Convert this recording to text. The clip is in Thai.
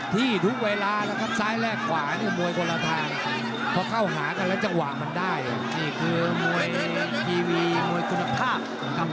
ถ้ากลัวไม่มาไพรักษ์อ่ะพี่ป่ะ